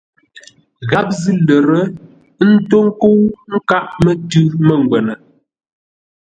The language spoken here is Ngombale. Gháp zʉ́ lə̂r, ə́ ntó ńkə́u nkâʼ mətʉ̌ mə́ngwə́nə.